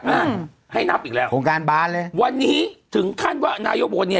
อ่ะให้นับอีกแล้วโครงการบานเลยวันนี้ถึงขั้นว่านายกบนเนี่ย